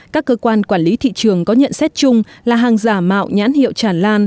các cơ quan quản lý thị trường có nhận xét chung là hàng giả mạo nhãn hiệu tràn lan